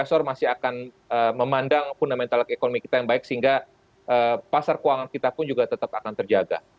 investor masih akan memandang fundamental ekonomi kita yang baik sehingga pasar keuangan kita pun juga tetap akan terjaga